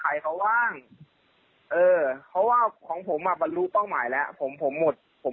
ใครเขาว่างเออเพราะว่าของผมอ่ะบรรลุเป้าหมายแล้วผมผมหมดผม